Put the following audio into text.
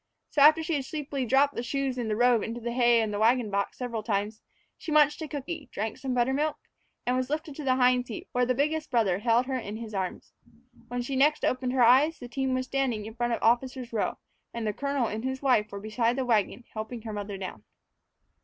So, after she had sleepily dropped the shoes and the robe into the hay in the wagon box several times, she munched a cooky, drank some buttermilk, and was lifted to the hind seat, where the biggest brother held her in his arms. When she next opened her eyes, the team was standing in front of Officers' Row, and the colonel and his wife were beside the wagon helping her mother down.